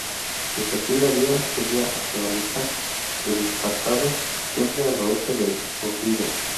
Desde aquí la Vía seguía hacia Alija del Infantado, siempre al oeste del Órbigo.